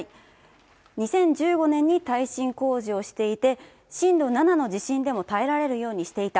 ２０１５年に耐震工事をしていて、震度７の地震でも耐えられるようにしていた。